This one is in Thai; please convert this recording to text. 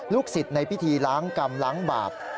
ลูกศิษฐ์ในพิธีล้างกรรมล้างบาป